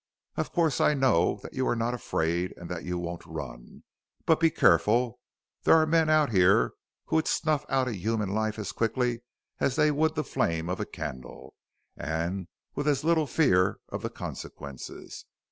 Of course I know that you are not afraid and that you won't run. But be careful there are men out here who would snuff out a human life as quickly as they would the flame of a candle, and with as little fear of the consequences.